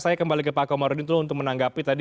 saya kembali ke pak komar untuk menanggapi tadi